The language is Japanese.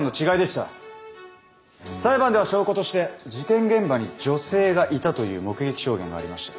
裁判では証拠として事件現場に女性がいたという目撃証言がありました。